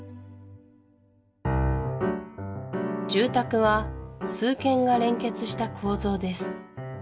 住宅は数軒が連結した構造です